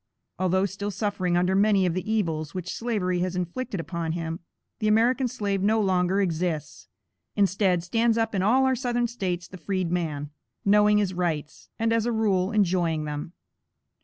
Although still suffering under many of the evils which Slavery has inflicted upon him, the American slave no longer exists! Instead stands up in all our Southern States the freedman, knowing his rights, and, as a rule, enjoying them.